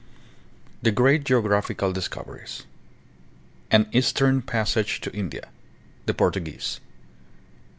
THE GREAT GEOGRAPHICAL DISCOVERIES. An Eastern Passage to India. The Portuguese.